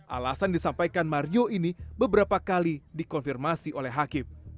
alasan disampaikan mario ini beberapa kali dikonfirmasi oleh hakim